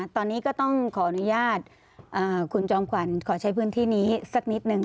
ตอนนี้ก็ต้องขออนุญาตคุณจอมขวัญขอใช้พื้นที่นี้สักนิดนึง